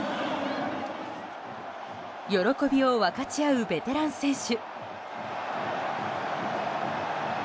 喜びを分かち合うベテラン選手。